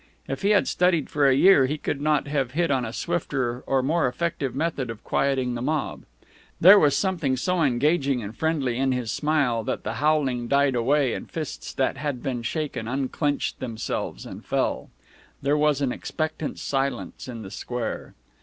If he had studied for a year, he could not have hit on a swifter or more effective method of quieting the mob. There was something so engaging and friendly in his smile that the howling died away and fists that has been shaken unclenched themselves and fell. There was an expectant silence in the square.